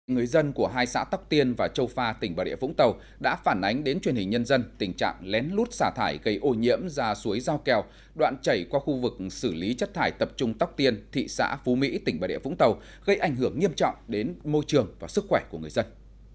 người dân của hai xã tóc tiên và châu pha tỉnh bà địa vũng tàu đã phản ánh đến truyền hình nhân dân tình trạng lén lút xả thải gây ô nhiễm ra suối giao kèo đoạn chảy qua khu vực xử lý chất thải tập trung tóc tiên thị xã phú mỹ tỉnh bà địa vũng tàu gây ảnh hưởng nghiêm trọng đến môi trường và sức khỏe của người dân